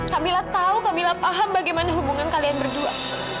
kamila tahu kamila paham bagaimana hubungan kalian berdua